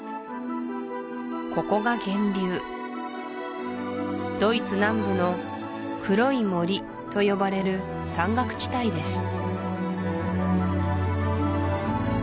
ここが源流ドイツ南部の黒い森と呼ばれる山岳地帯です